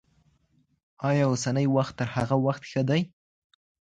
آيا اوسنی وخت تر هغه وخت ښه دی؟